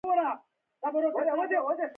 د معلوماتو هره برخه په ریاضي بدلېږي.